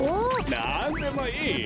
なんでもいい！